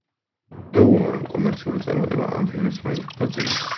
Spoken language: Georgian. უდავოა, რომ კომერციული წარმატება ამ ფილმებს მაინც ხვდა წილად.